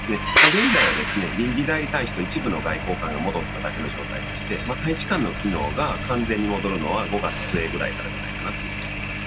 現在は臨時代理大使と一部の外交官が戻っただけの状態でして大使館の機能が完全に戻るのは５月末ぐらいじゃないかと思っております。